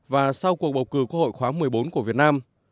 và sau cuộc bầu cử quốc hội khóa một mươi bốn của việt nam